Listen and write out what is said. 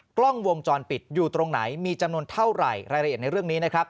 กล้องวงจรปิดอยู่ตรงไหนมีจำนวนเท่าไหร่รายละเอียดในเรื่องนี้นะครับ